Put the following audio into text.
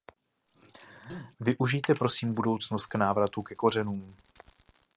Využijte prosím budoucnost k návratu ke kořenům.